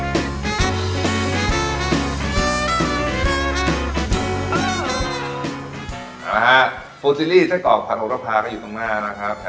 ติดตามรับฝากแล้วโฮล์เจรีย์ใจเกาะพันธุ์ครัภาพก็อยู่ตรงหน้านะครับ